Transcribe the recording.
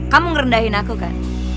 kamu ngerendahin aku kan